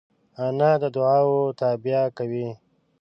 انا د دعاوو تابیا کوي